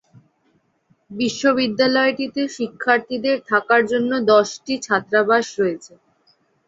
বিশ্ববিদ্যালয়টিতে শিক্ষার্থীদের থাকার জন্য দশটি ছাত্রাবাস রয়েছে।